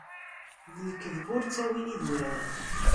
D lekdeb ur ttawin idurar.